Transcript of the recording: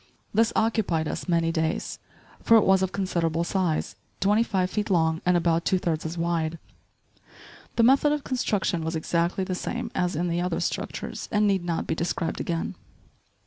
This occupied us many days; for it was of considerable size, twenty five feet long and about two thirds as wide. The method of construction was exactly the same as in the other structures and need not be described again.